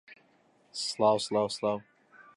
نامەی سەفارەتی ئێران لە لوبنان بوو کە: